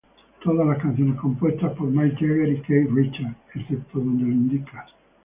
Todas las canciones compuestas por Mick Jagger y Keith Richards excepto donde lo indica.